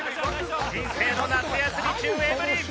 人生の夏休み中エブリン。